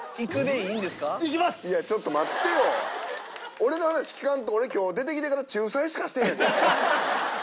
俺の話聞かんと俺今日出てきてから仲裁しかしてへんで。